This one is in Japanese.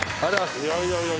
いやいやいや。